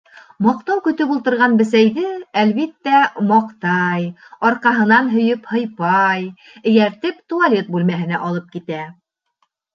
Маҡтау көтөп ултырған бесәйҙе, әлбиттә, маҡтай, арҡаһынан һөйөп һыйпай, эйәртеп туалет бүлмәһенә алып китә.